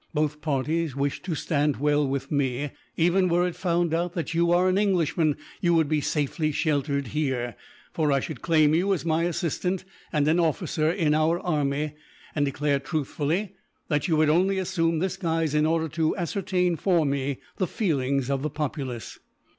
Both parties wish to stand well with me and, even were it found out that you are an Englishman, you would be safely sheltered here; for I should claim you as my assistant, and an officer in our army, and declare truthfully that you had only assumed this guise in order to ascertain, for me, the feelings of the populace."